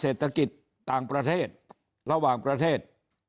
เศรษฐกิจต่างประเทศระหว่างประเทศ